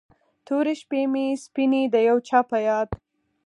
تورې شپې مې سپینې د یو چا په یاد